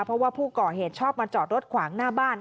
เพราะว่าผู้ก่อเหตุชอบมาจอดรถขวางหน้าบ้าน